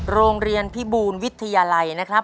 โรงเรียนพิบูลวิทยาลัยนะครับ